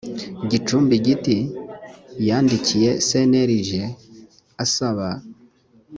gicumbi giti yandikiye cnlg asaba